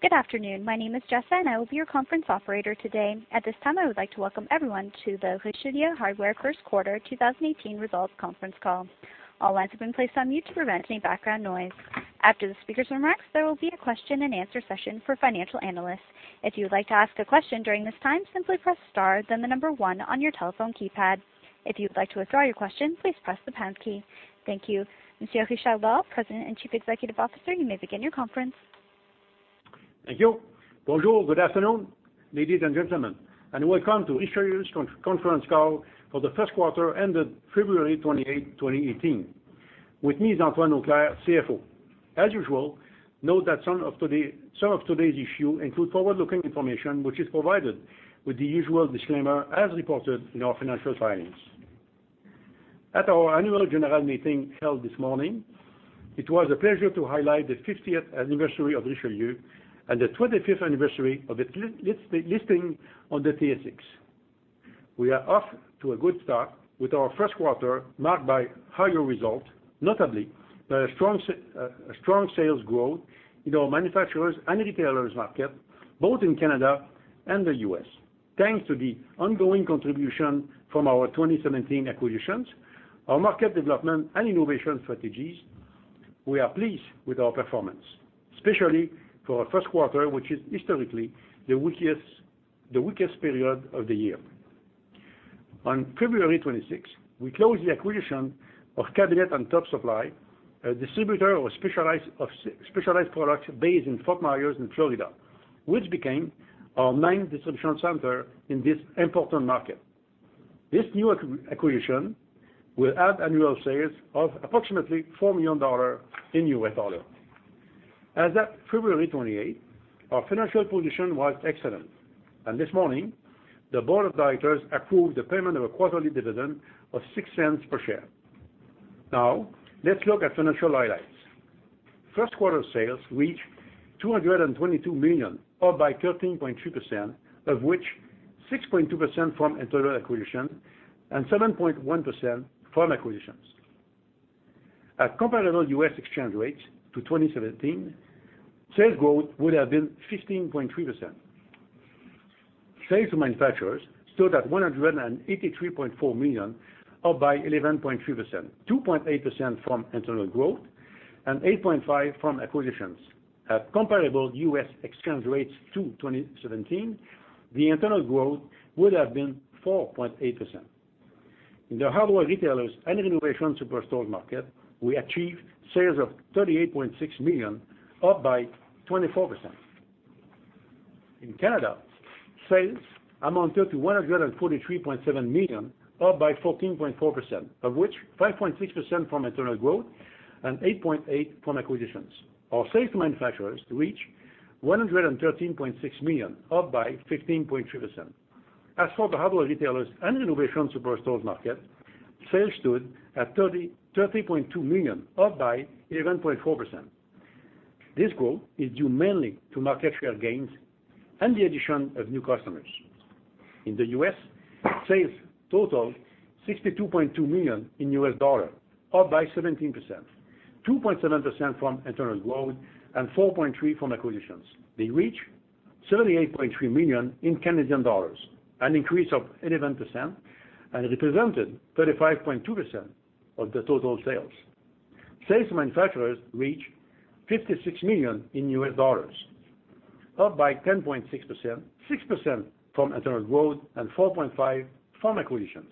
Good afternoon. My name is Jessa, and I will be your conference operator today. At this time, I would like to welcome everyone to the Richelieu Hardware first quarter 2018 results conference call. All lines have been placed on mute to prevent any background noise. After the speaker's remarks, there will be a question and answer session for financial analysts. If you would like to ask a question during this time, simply press star, then the number 1 on your telephone keypad. If you would like to withdraw your question, please press the pound key. Thank you. Monsieur Richard Lord, President and Chief Executive Officer, you may begin your conference. Thank you. Bonjour. Good afternoon, ladies and gentlemen, and welcome to Richelieu's conference call for the first quarter ended February 28, 2018. With me is Antoine Auclair, CFO. As usual, note that some of today's issues include forward-looking information, which is provided with the usual disclaimer as reported in our financial filings. At our annual general meeting held this morning, it was a pleasure to highlight the 50th anniversary of Richelieu and the 25th anniversary of its listing on the TSX. We are off to a good start with our first quarter marked by higher results, notably by a strong sales growth in our manufacturers and retailers market, both in Canada and the U.S. Thanks to the ongoing contribution from our 2017 acquisitions, our market development, and innovation strategies, we are pleased with our performance, especially for our first quarter, which is historically the weakest period of the year. On February 26, we closed the acquisition of Cabinet & Top Supply, a distributor of specialized products based in Fort Myers in Florida, which became our 9th distribution center in this important market. This new acquisition will add annual sales of approximately $4 million in U.S. dollars. As at February 28, our financial position was excellent, and this morning, the board of directors approved the payment of a quarterly dividend of 0.06 per share. Now, let's look at financial highlights. First quarter sales reached 222 million, up by 13.3%, of which 6.2% from internal growth and 7.1% from acquisitions. At comparable U.S. exchange rates to 2017, sales growth would have been 15.3%. Sales to manufacturers stood at 183.4 million, up by 11.3%, 2.8% from internal growth and 8.5% from acquisitions. At comparable U.S. exchange rates to 2017, the internal growth would have been 4.8%. In the hardware retailers and renovation superstore market, we achieved sales of 38.6 million, up by 24%. In Canada, sales amounted to 143.7 million, up by 14.4%, of which 5.6% from internal growth and 8.8% from acquisitions. Our sales to manufacturers reached 113.6 million, up by 15.3%. As for the hardware retailers and renovation superstore market, sales stood at 30.2 million, up by 11.4%. This growth is due mainly to market share gains and the addition of new customers. In the U.S., sales totaled $62.2 million, up by 17%, 2.7% from internal growth and 4.3% from acquisitions. They reached 78.3 million in Canadian dollars, an increase of 11% and represented 35.2% of the total sales. Sales to manufacturers reached $56 million, up by 10.6%, 6% from internal growth and 4.5% from acquisitions.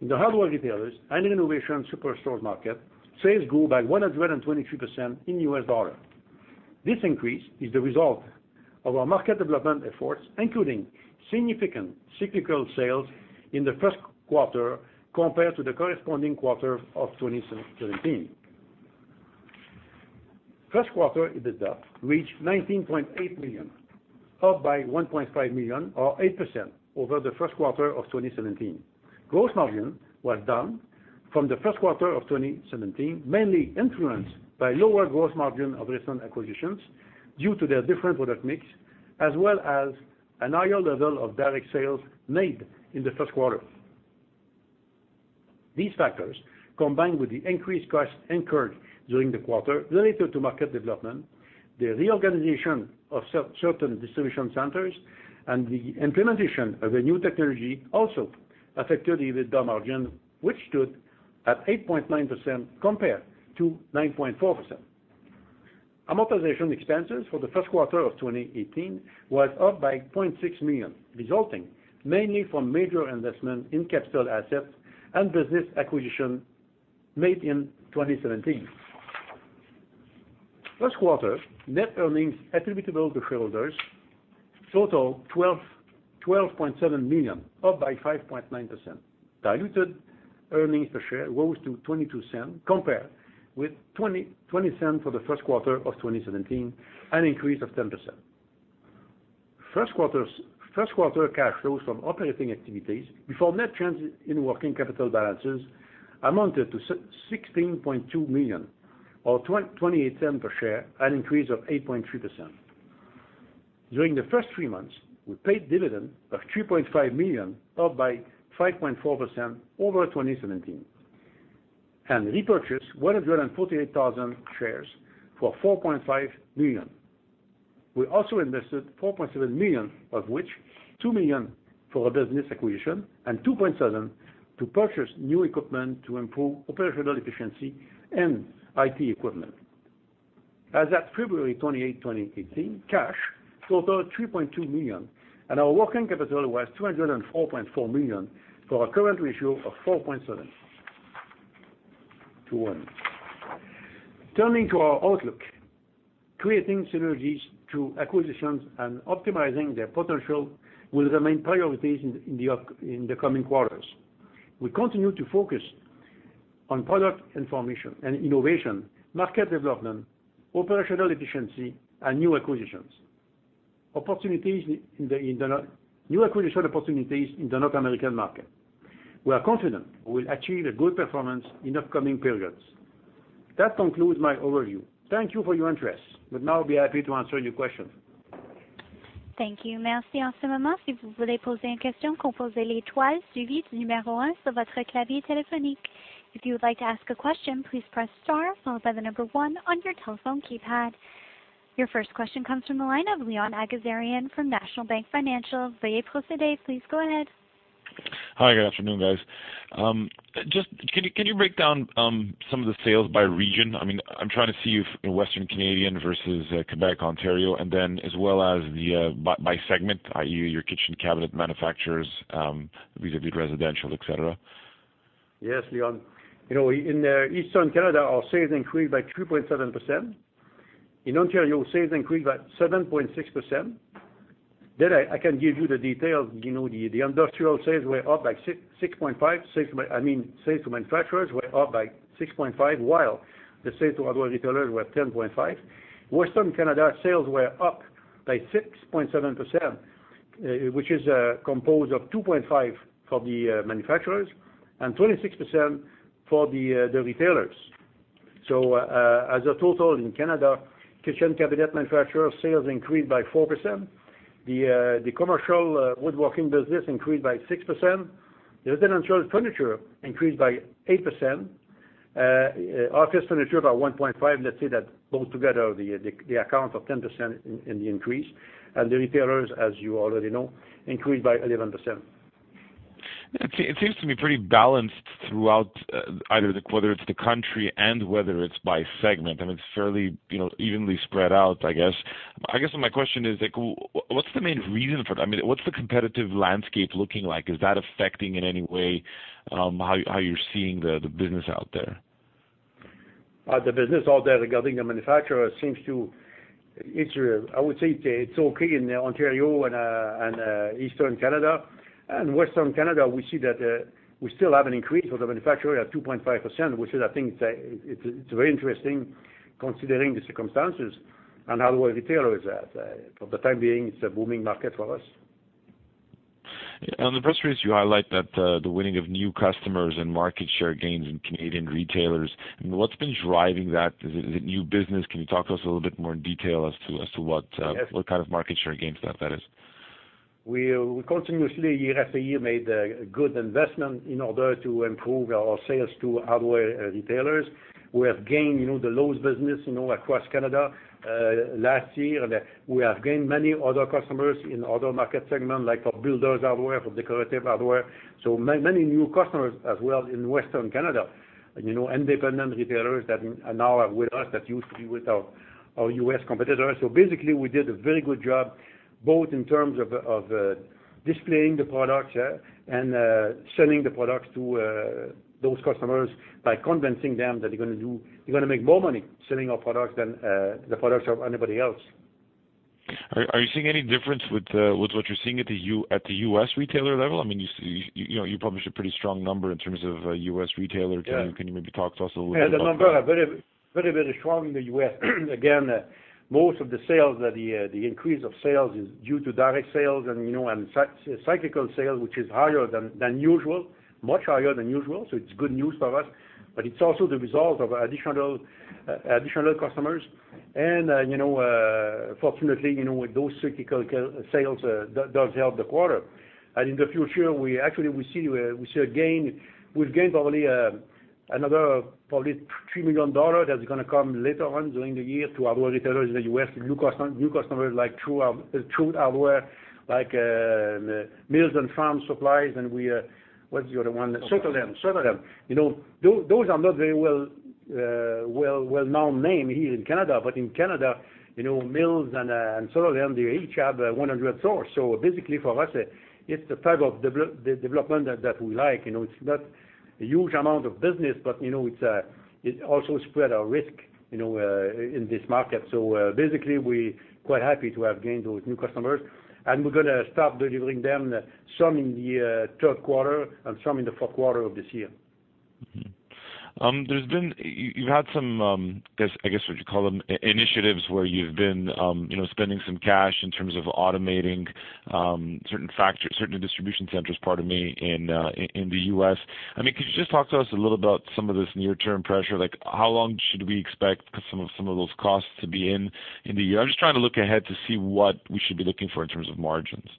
In the hardware retailers and renovation superstore market, sales grew by 123% in U.S. dollars. This increase is the result of our market development efforts, including significant cyclical sales in the first quarter compared to the corresponding quarter of 2017. First quarter EBITDA reached 19.8 million, up by 1.5 million or 8% over the first quarter of 2017. Gross margin was down from the first quarter of 2017, mainly influenced by lower gross margin of recent acquisitions due to their different product mix, as well as a higher level of direct sales made in the first quarter. These factors, combined with the increased costs incurred during the quarter related to market development, the reorganization of certain distribution centers, and the implementation of a new technology also affected EBITDA margin, which stood at 8.9% compared to 9.4%. Amortization expenses for the first quarter of 2018 were up by 0.6 million, resulting mainly from major investments in capital assets and business acquisition made in 2017. First quarter net earnings attributable to shareholders totaled 12.7 million, up by 5.9%. Diluted earnings per share rose to 0.22, compared with 0.20 for the first quarter of 2017, an increase of 10%. First quarter cash flows from operating activities before net trends in working capital balances amounted to 16.2 million, or 0.28 per share, an increase of 8.3%. During the first three months, we paid dividend of 3.5 million, up by 5.4% over 2017. Repurchased 148,000 shares for 4.5 million. We also invested 4.7 million, of which 2 million for a business acquisition and 2.7 million to purchase new equipment to improve operational efficiency and IT equipment. As at February 28, 2018, cash totaled 3.2 million, and our working capital was 204.4 million, for a current ratio of 4.7 to 1. Turning to our outlook, creating synergies through acquisitions and optimizing their potential will remain priorities in the coming quarters. We continue to focus on product information and innovation, market development, operational efficiency, and new acquisitions. New acquisition opportunities in the North American market. We are confident we'll achieve a good performance in upcoming periods. That concludes my overview. Thank you for your interest. We'd now be happy to answer your questions. Thank you. If you would like to ask a question, please press star followed by the number 1 on your telephone keypad. Your first question comes from the line of Leon Aghazarian from National Bank Financial. Please go ahead. Hi, good afternoon, guys. Can you break down some of the sales by region? I'm trying to see if in Western Canada versus Quebec, Ontario, and then as well as by segment, i.e., your kitchen cabinet manufacturers, vis-à-vis residential, et cetera. Yes, Leon. In Eastern Canada, our sales increased by 3.7%. In Ontario, sales increased by 7.6%. I can give you the details. The industrial sales were up by 6.5%. Sales to manufacturers were up by 6.5%, while the sales to other retailers were 10.5%. Western Canada, sales were up by 6.7%, which is composed of 2.5% for the manufacturers and 26% for the retailers. As a total in Canada, kitchen cabinet manufacturer sales increased by 4%. The commercial woodworking business increased by 6%. Residential furniture increased by 8%. Office furniture by 1.5%. Let's say that both together, they account for 10% in the increase. The retailers, as you already know, increased by 11%. It seems to be pretty balanced throughout, whether it's the country and whether it's by segment, and it's fairly evenly spread out, I guess. My question is, what's the main reason for that? What's the competitive landscape looking like? Is that affecting in any way how you're seeing the business out there? The business out there regarding the manufacturer, I would say it's okay in Ontario and Eastern Canada. Western Canada, we see that we still have an increase for the manufacturer at 2.5%, which is, I think it's very interesting considering the circumstances and how the retailer is at. For the time being, it's a booming market for us. On the press release, you highlight that the winning of new customers and market share gains in Canadian retailers. What's been driving that? Is it new business? Can you talk to us a little bit more in detail as to Yes what kind of market share gains that is? We continuously, year after year, made a good investment in order to improve our sales to hardware retailers. We have gained the Lowe's business across Canada. Last year, we have gained many other customers in other market segments, like for builders hardware, for decorative hardware. Many new customers as well in Western Canada. Independent retailers that are now with us that used to be with our U.S. competitors. Basically, we did a very good job both in terms of displaying the products and selling the products to those customers by convincing them that they're gonna make more money selling our products than the products of anybody else. Are you seeing any difference with what you're seeing at the U.S. retailer level? You published a pretty strong number in terms of U.S. retailer too. Yeah. Can you maybe talk to us a little bit about that? Yeah, the numbers are very, very strong in the U.S. Again, most of the sales, the increase of sales is due to direct sales and cyclical sales, which is higher than usual, much higher than usual. It's good news for us, but it's also the result of additional customers. Fortunately, with those cyclical sales, does help the quarter. In the future, we actually will see a gain. We've gained probably another 3 million dollar that's gonna come later on during the year to other retailers in the U.S. New customers like True Value Hardware, like Mills Fleet Farm, What's the other one? Sutherland. Sutherland. Those are not very well-known names here in Canada, but in Canada, Mills and Sutherland, they each have 100 stores. Basically for us, it's the type of development that we like. It's not a huge amount of business, but it also spread our risk in this market. Basically, we're quite happy to have gained those new customers, and we're gonna start delivering them some in the third quarter and some in the fourth quarter of this year. Mm-hmm. You've had some, I guess, would you call them initiatives where you've been spending some cash in terms of automating certain distribution centers, pardon me, in the U.S. Can you just talk to us a little about some of this near-term pressure? How long should we expect some of those costs to be in the year? I'm just trying to look ahead to see what we should be looking for in terms of margins.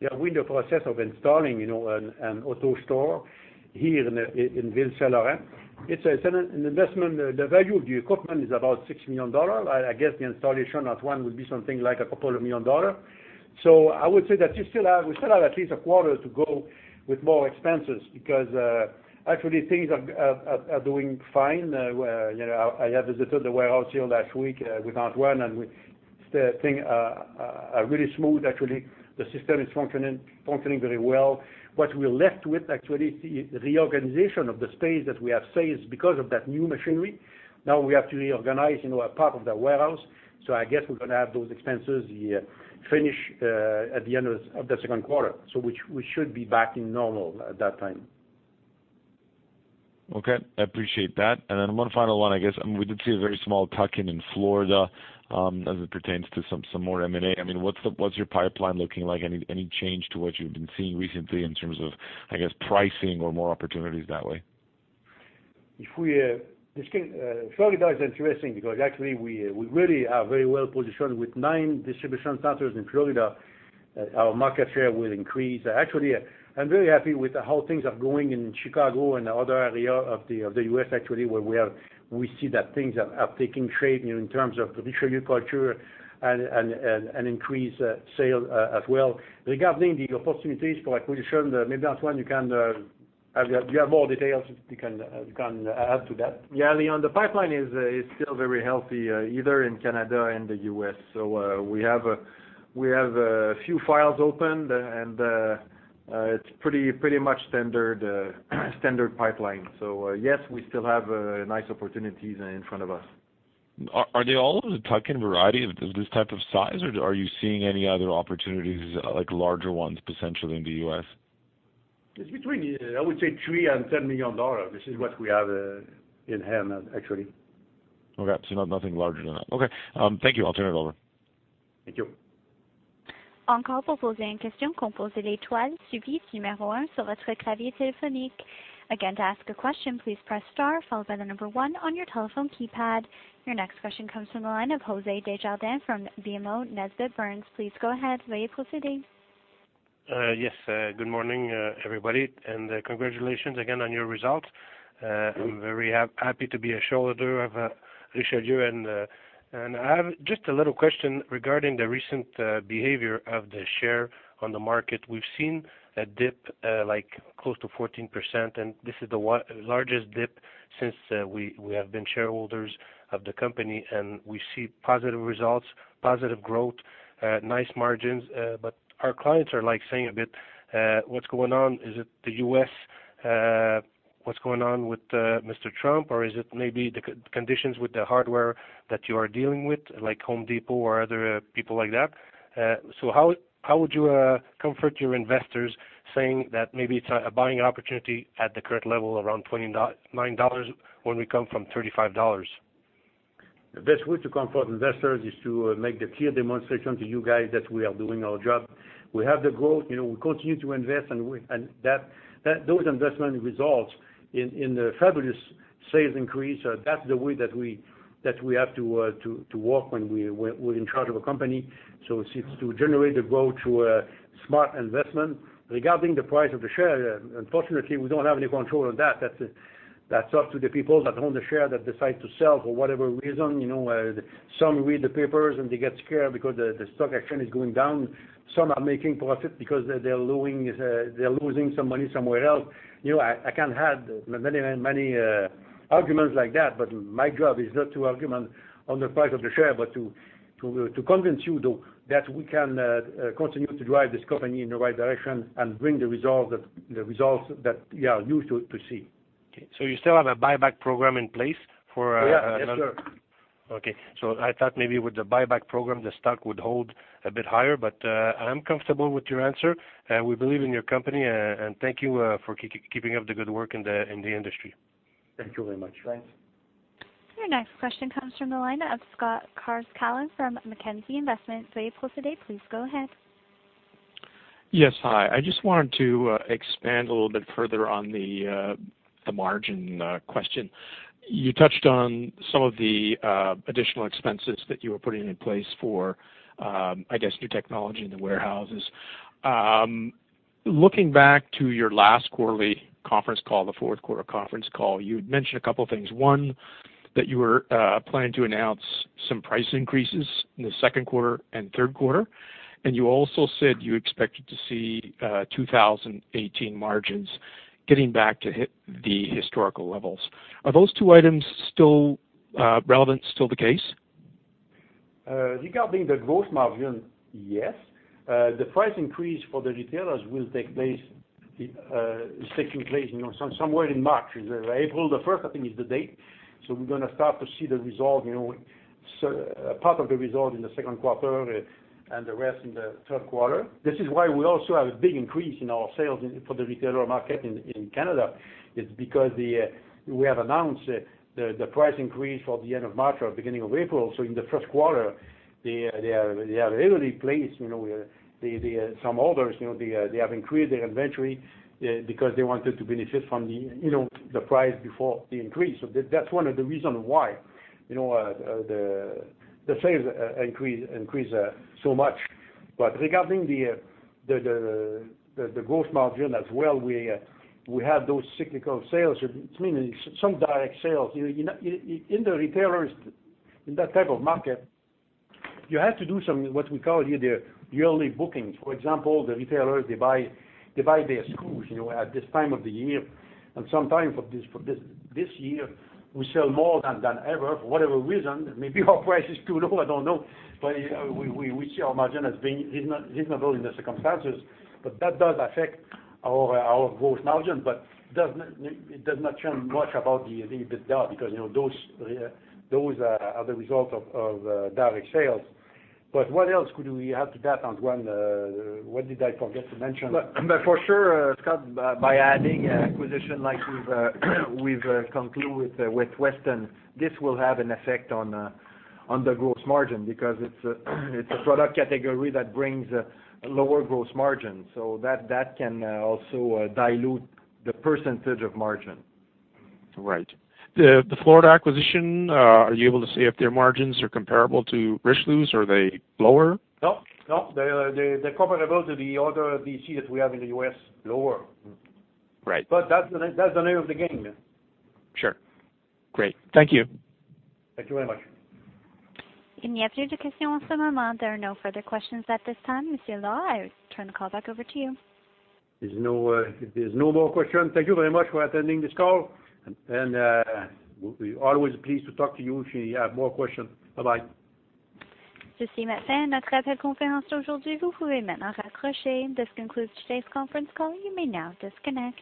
We are in the process of installing an AutoStore here in Ville Saint-Laurent. It's an investment. The value of the equipment is about 6 million dollars. I guess the installation at one would be something like a couple of million CAD. I would say that we still have at least a quarter to go with more expenses because actually things are doing fine. I have visited the warehouse here last week with Antoine, and things are really smooth, actually. The system is functioning very well. What we're left with, actually, the reorganization of the space that we have saved because of that new machinery. Now we have to reorganize a part of the warehouse. I guess we're going to have those expenses finished at the end of the second quarter. We should be back in normal at that time. Okay. I appreciate that. One final one, I guess. We did see a very small tuck-in in Florida as it pertains to some more M&A. What's your pipeline looking like? Any change to what you've been seeing recently in terms of, I guess, pricing or more opportunities that way? Florida is interesting because actually we really are very well-positioned with nine distribution centers in Florida. Our market share will increase. Actually, I'm very happy with how things are going in Chicago and other areas of the U.S., actually, where we see that things are up-taking trade in terms of traditional culture and increased sales as well. Regarding the opportunities for acquisition, maybe, Antoine, do you have more details you can add to that? Yeah, Leon, the pipeline is still very healthy, either in Canada and the U.S. We have a few files open, and it's pretty much standard pipeline. Yes, we still have nice opportunities in front of us. Are they all of the tuck-in variety of this type of size, or are you seeing any other opportunities, like larger ones, potentially in the U.S.? It's between, I would say, 3 million and 10 million dollars. This is what we have in hand, actually. Okay. Nothing larger than that. Okay. Thank you. I'll turn it over. Thank you. Again, to ask a question, please press star, followed by the number one on your telephone keypad. Your next question comes from the line of Jose Desjardins from BMO Nesbitt Burns. Please go ahead. Yes. Good morning, everybody, and congratulations again on your results. I'm very happy to be a shareholder of Richelieu. I have just a little question regarding the recent behavior of the share on the market. We've seen a dip close to 14%, this is the largest dip since we have been shareholders of the company, we see positive results, positive growth, nice margins. Our clients are saying a bit, "What's going on? Is it the U.S.? What's going on with Mr. Trump? Or is it maybe the conditions with the hardware that you are dealing with, like Home Depot or other people like that?" How would you comfort your investors saying that maybe it's a buying opportunity at the current level around 29 dollars when we come from 35 dollars? The best way to comfort investors is to make the clear demonstration to you guys that we are doing our job. We have the growth. We continue to invest, those investment results in the fabulous sales increase. That's the way that we have to work when we're in charge of a company. It's to generate the growth through a smart investment. Regarding the price of the share, unfortunately, we don't have any control on that. That's up to the people that own the share that decide to sell for whatever reason. Some read the papers, they get scared because the stock actually is going down. Some are making profit because they're losing some money somewhere else. I can have many arguments like that, my job is not to argument on the price of the share, to convince you, though, that we can continue to drive this company in the right direction and bring the results that you are used to see. Okay. You still have a buyback program in place for- Oh, yeah. Yes, sir. Okay. I thought maybe with the buyback program, the stock would hold a bit higher, but I'm comfortable with your answer. We believe in your company, and thank you for keeping up the good work in the industry. Thank you very much. Thanks. Your next question comes from the line of Scott Carscallen from Mackenzie Investments. Please go ahead. Yes, hi. I just wanted to expand a little bit further on the margin question. You touched on some of the additional expenses that you were putting in place for, I guess, new technology in the warehouses. Looking back to your last quarterly conference call, the fourth quarter conference call, you had mentioned a couple of things. One, that you were planning to announce some price increases in the second quarter and third quarter, and you also said you expected to see 2018 margins getting back to the historical levels. Are those two items still relevant, still the case? Regarding the gross margin, yes. The price increase for the retailers will take place somewhere in March. April 1st, I think, is the date. We're going to start to see part of the result in the second quarter and the rest in the third quarter. This is why we also have a big increase in our sales for the retailer market in Canada. It's because we have announced the price increase for the end of March or beginning of April. In the first quarter, they have already placed some orders. They have increased their inventory because they wanted to benefit from the price before the increase. That's one of the reasons why the sales increased so much. Regarding the gross margin as well, we have those cyclical sales, meaning some direct sales. In the retailers, in that type of market, you have to do some, what we call here, the yearly bookings. For example, the retailers, they buy their screws at this time of the year. Sometimes for this year, we sell more than ever, for whatever reason. Maybe our price is too low, I don't know. We see our margin as being reasonable in the circumstances. That does affect our gross margin, but it does not change much about the EBITDA because those are the results of direct sales. What else could we add to that, Antoine? What did I forget to mention? Scott, by adding an acquisition like we've concluded with Weston, this will have an effect on the gross margin because it's a product category that brings lower gross margin. That can also dilute the percentage of margin. Right. The Florida acquisition, are you able to say if their margins are comparable to Richelieu's? Are they lower? No, they're comparable to the other DC that we have in the U.S., lower. Right. That's the name of the game. Sure. Great. Thank you. Thank you very much. There are no further questions at this time. Monsieur Lord, I turn the call back over to you. If there's no more question, thank you very much for attending this call. We're always pleased to talk to you if you have more questions. Bye-bye. This concludes today's conference call. You may now disconnect.